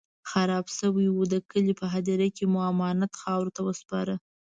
خراب شوی و، د کلي په هديره کې مو امانت خاورو ته وسپاره.